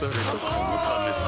このためさ